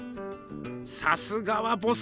さすがはボス。